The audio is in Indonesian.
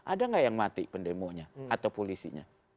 ada nggak yang mati pendemonya atau polisinya